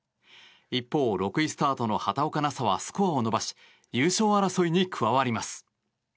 一方、６位スタートの畑岡奈紗はスコアを伸ばし優勝争いに加わります。